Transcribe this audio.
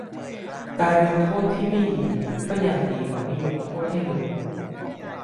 การยกโทษที่ไม่ดีก็ยังดีกว่าไม่ยกโทษให้เลย